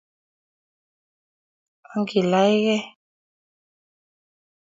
onge laany gei